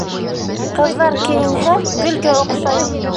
Ҡыҙҙар кейенһә, гөлгә оҡшай